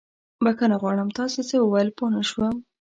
بښنه غواړم، تاسې څه وويل؟ پوه نه شوم.